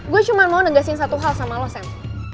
gue cuma mau negasin satu hal sama lo sam